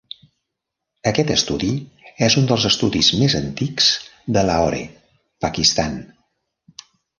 Aquest estudi és un dels estudis més antics de Lahore, Pakistan.